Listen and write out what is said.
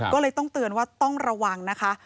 ก็เลยต้องเตือนว่าต้องระวังนะคะ